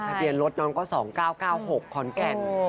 ทะเบียนรถน้องก็๒๙๙๖ขอนแก่น